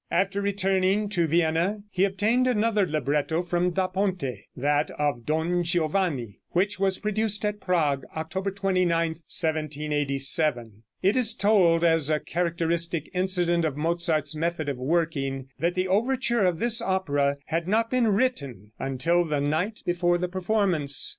After returning to Vienna he obtained another libretto from Da Ponte, that of "Don Giovanni," which was produced at Prague, October 29, 1787. It is told, as a characteristic incident of Mozart's method of working, that the overture of this opera had not been written until the night before the performance.